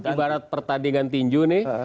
ibarat pertandingan tinju nih